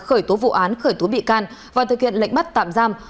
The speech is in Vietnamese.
khởi tố vụ án khởi tố bị can và thực hiện lệnh bắt tạm giam